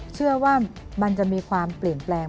เชื่อว่ามันจะมีความเปลี่ยนแปลง